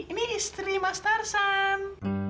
ini istri mas tarsan